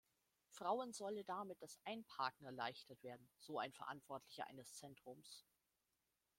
Frauen solle damit das Einparken erleichtert werden, so ein Verantwortlicher eines Zentrums.